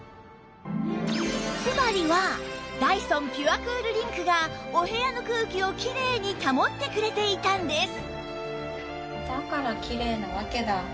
つまりはダイソンピュアクールリンクがお部屋の空気をきれいに保ってくれていたんです